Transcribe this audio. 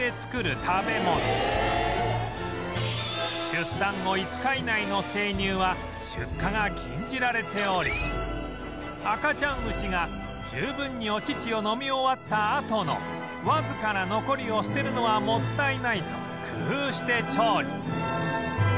出産後５日以内の生乳は出荷が禁じられており赤ちゃん牛が十分にお乳を飲み終わったあとのわずかな残りを捨てるのはもったいないと工夫して調理